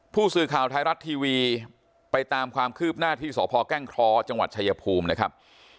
ผู้สื่อข่าวไทยรัฐทีวีไปตามความคืบหน้าที่สพแก้งเคราะห์จังหวัดชายภูมินะครับ